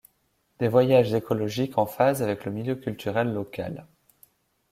Des voyages écologiques en phase avec le milieu culturel local.